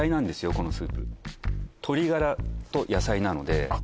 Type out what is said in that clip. このスープ鶏がらと野菜なのであっ